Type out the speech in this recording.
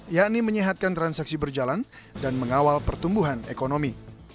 yakni menyehatkan transaksi berjalan dan mengawal pertumbuhan ekonomi